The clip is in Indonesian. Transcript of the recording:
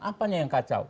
apanya yang kacau